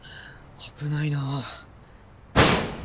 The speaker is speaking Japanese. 危ないなあ。